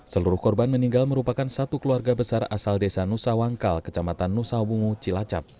seluruh korban meninggal merupakan satu keluarga besar asal desa nusa wangkal kecamatan nusa wungu cilacap